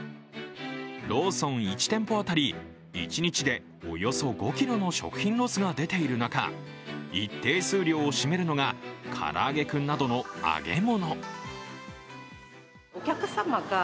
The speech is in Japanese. ローソン１店舗当たり一日でおよそ５ｋｇの食品ロスが出ている中一定数量を占めるのがからあげクンなどの揚げ物。